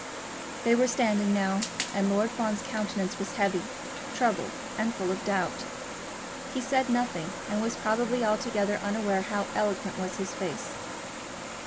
They were standing now, and Lord Fawn's countenance was heavy, troubled, and full of doubt. He said nothing, and was probably altogether unaware how eloquent was his face.